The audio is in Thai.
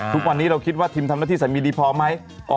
ทุกวันนี้เราคิดว่าทิมทำหน้าที่สามีดีพอไหม